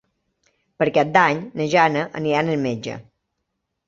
Per Cap d'Any na Jana irà al metge.